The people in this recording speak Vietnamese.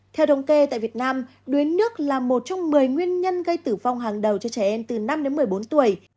theo đồng kê tại việt nam đuối nước là một trong một mươi nguyên nhân gây tử vong hàng đầu cho trẻ em từ năm đến một mươi bốn tuổi